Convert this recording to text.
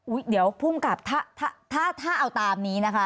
อุ๊ยเดี๋ยวผู้กราบถ้าเอาตามนี้นะคะ